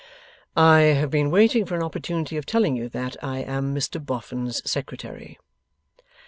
'I have been waiting for an opportunity of telling you that I am Mr Boffin's Secretary.